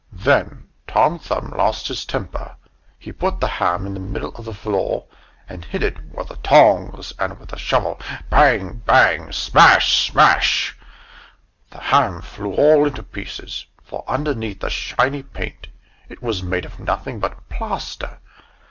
Then Tom Thumb lost his temper. He put the ham in the middle of the floor, and hit it with the tongs and with the shovel bang, bang, smash, smash! The ham flew all into pieces, for underneath the shiny paint it was made of nothing but plaster!